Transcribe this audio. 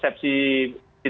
supaya dia setidaknya dianggarkan